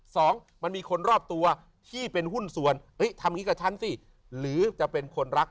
สองมีคนรอบตัวที่เป็นหุ้นสวนลิ่นทำงานกับชั้นสิหรือจะเป็นคนรัก